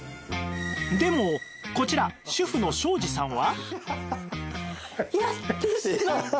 でもこちら主婦の庄司さんは